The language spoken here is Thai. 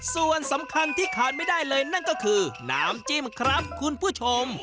ส่วนสำคัญที่ขาดไม่ได้เลยนั่นก็คือน้ำจิ้มครับคุณผู้ชม